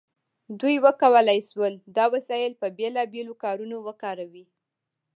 دوی وکولی شول دا وسایل په بیلابیلو کارونو وکاروي.